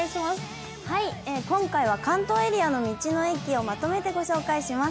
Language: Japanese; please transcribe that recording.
今回は関東エリアの道の駅をまとめてご紹介します。